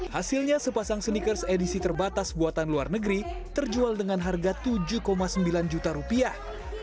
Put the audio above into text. hasilnya sepasang sneakers edisi terbatas buatan luar negeri terjual dengan harga tujuh sembilan juta rupiah